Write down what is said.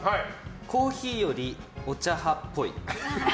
コーヒーよりお茶派っぽい。